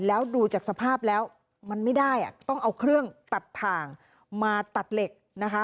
แล้วดูจากสภาพแล้วมันไม่ได้อ่ะต้องเอาเครื่องตัดถ่างมาตัดเหล็กนะคะ